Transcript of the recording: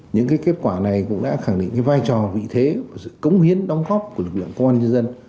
những kết quả này cũng đã khẳng định vai trò vị thế và sự cống hiến đóng góp của lực lượng công an nhân dân